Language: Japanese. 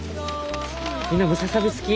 みんなムササビ好き？